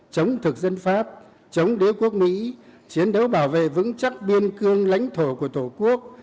chống thực dân pháp chống đế quốc mỹ chiến đấu bảo vệ vững chắc biên cương lãnh thổ của tổ quốc